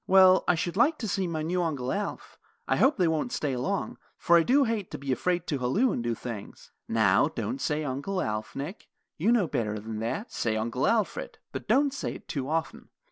"Well, I should like to see my new Uncle Alf. I hope they won't stay long; for I do hate to be afraid to halloo and do things." "Now, don't say Uncle Alf, Nick. You know better than that. Say Uncle Alfred, but don't say it too often.